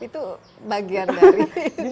itu bagian dari siapa